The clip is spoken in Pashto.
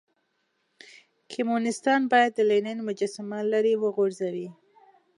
کمونيستان بايد د لينن مجسمه ليرې وغورځوئ.